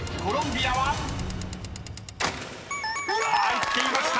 ［入っていました］